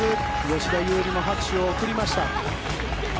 吉田優利も拍手を送りました。